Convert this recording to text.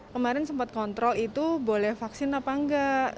kemarin sempat kontrol itu boleh vaksin apa enggak